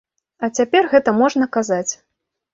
А цяпер гэта можна казаць.